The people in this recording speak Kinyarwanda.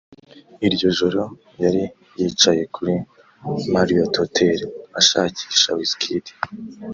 iryo joro yari yicaye kuri Marriot Hotel ashakisha Wizkid